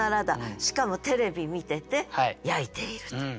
しかもテレビ見てて焼いているという。